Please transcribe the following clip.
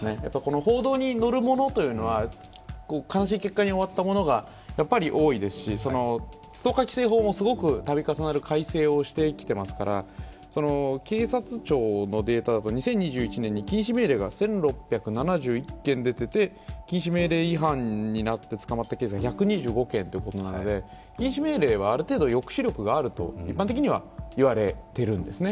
報道に乗るものというのは、悲しい結果に終わったものがやっぱり多いですしストーカー規制法も度重なる改正をしてきていますから警察庁のデータだと２０２１年に禁止命令が１６７１件出ていて、禁止命令違反になって捕まったケースは１２５件ということなので、禁止命令はある程度、抑止力があると一般的にはいわれているんですね。